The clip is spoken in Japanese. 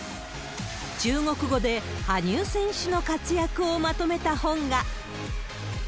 中国語で羽生選手の活躍をまとめた本が。